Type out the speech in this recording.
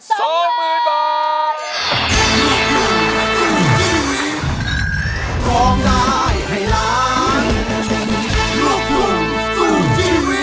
สองหมื่นบาท